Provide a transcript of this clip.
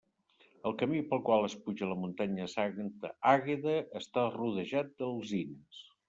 El camí pel qual es puja a la muntanya de Santa Àgueda està rodejat d'alzines.